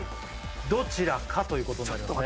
どちらかということになりますね